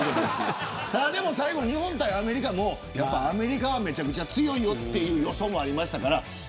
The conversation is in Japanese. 最後の日本対アメリカもアメリカが、めちゃくちゃ強いという予想がありました。